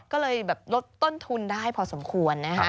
ก็เลยแบบลดต้นทุนได้พอสมควรนะฮะ